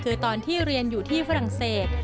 คือตอนที่เรียนอยู่ที่ฝรั่งเศส